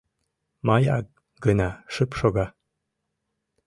Маяк гына шып шога.